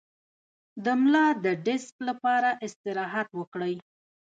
د ملا د ډیسک لپاره استراحت وکړئ